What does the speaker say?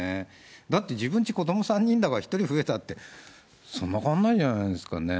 だって、自分ち子ども３人だから、１人増えたって、そんな変わんないんじ